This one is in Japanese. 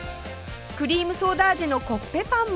クリームソーダ味のコッペパンも